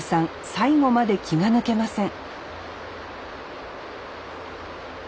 最後まで気が抜けません